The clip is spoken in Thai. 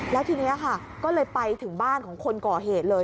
แล้วทีนี้ค่ะก็เลยไปถึงบ้านของคนก่อเหตุเลย